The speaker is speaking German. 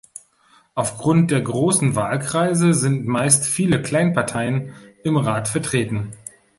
Aufgrund der grossen Wahlkreise sind meist viele Kleinparteien im Rat vertreten.